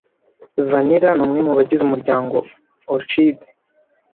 Vanilla ni umwe mubagize umuryango Orchide